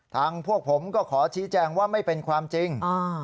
พวกผมก็ขอชี้แจงว่าไม่เป็นความจริง